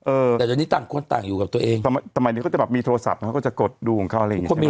เออแต่เดี๋ยวนี้ต่างคนต่างอยู่กับตัวเองสมัยนี้ก็จะแบบมีโทรศัพท์เขาก็จะกดดูของเขาอะไรอย่างเงี้ใช่ไหม